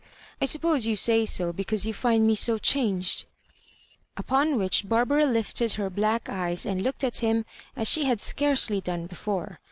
" I suppose you say so because you find me so changed ?" Upon which Barbara lifted her black eyes and looked at him as she had scarcely done be fore.